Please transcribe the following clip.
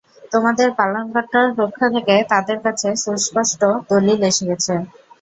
তোমাদের পালনকর্তার পক্ষ থেকে তোমাদের কাছে সুস্পষ্ট দলীল এসে গেছে।